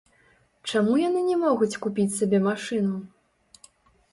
Чаму яны не могуць купіць сабе машыну?